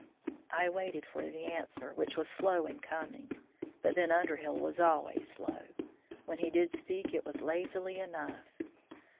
I waited for the answer, which was slow in coming. But then Underhill was always slow. When he did speak it was lazily enough.